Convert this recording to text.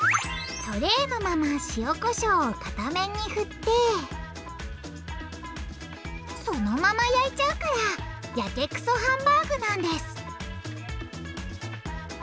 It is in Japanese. トレーのまま塩・こしょうを片面にふってそのまま焼いちゃうから「やけくそハンバーグ」なんです